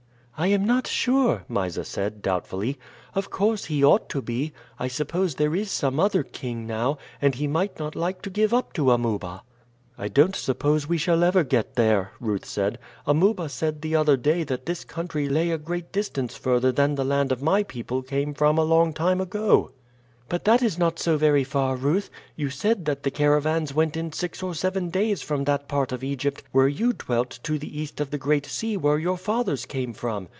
"I am not sure," Mysa said doubtfully. "Of course, he ought to be. I suppose there is some other king now, and he might not like to give up to Amuba." "I don't suppose we shall ever get there," Ruth said. "Amuba said the other day that this country lay a great distance further than the land my people came from a long time ago." "But that is not so very far, Ruth. You said that the caravans went in six or seven days from that part of Egypt where you dwelt to the east of the Great Sea where your fathers came from."